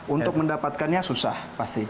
untuk mendapatkannya susah pasti